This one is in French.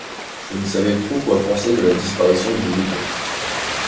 Je ne savais trop quoi penser de la disparition du mouton.